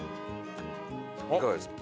「いかがですか？」